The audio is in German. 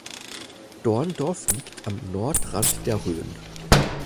Dorndorf liegt am Nordrand der Rhön.